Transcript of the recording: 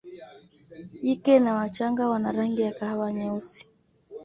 Jike na wachanga wana rangi ya kahawa nyeusi.